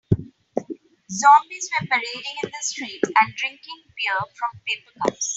Zombies were parading in the streets and drinking beer from paper cups.